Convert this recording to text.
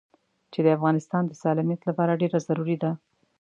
چې د افغانستان د سالميت لپاره ډېره ضروري ده.